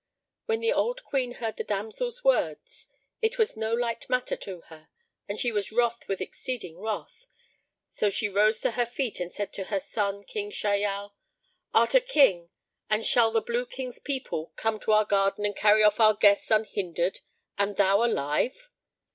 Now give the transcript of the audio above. When the old Queen heard the damsel's words it was no light matter to her and she was wroth with exceeding wrath: so she rose to her feet and said to her son, King Shahyal, "Art a King and shall the Blue King's people come to our garden and carry off our guests unhindered, and thou alive?"